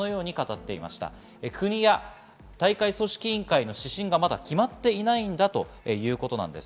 国や大会組織委員会の指針がまだ決まっていないんだということです。